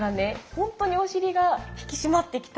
ほんとにお尻が引き締まってきた！